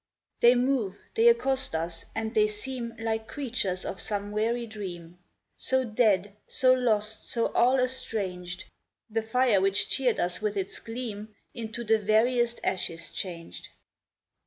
They move, they accost us, and they seem Like creatures of some weary dream ; So dead, so lost, so all estranged, The fire which cheered us with its gleam Into the veriest ashes changed.